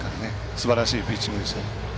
すばらしいピッチングでした。